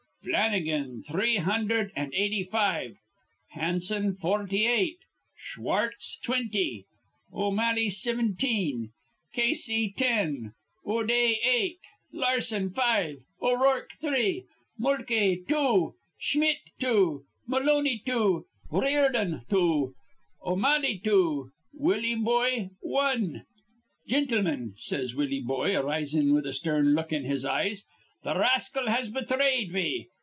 'Flannigan, three hundherd an' eighty five; Hansen, forty eight; Schwartz, twinty; O'Malley, sivinteen; Casey, ten; O'Day, eight; Larsen, five; O'Rourke, three; Mulcahy, two; Schmitt, two; Moloney, two; Riordon, two; O'Malley, two; Willie Boye, wan.' 'Gintlemin,' says Willie Boye, arisin' with a stern look in his eyes, 'th' rascal has bethrayed me.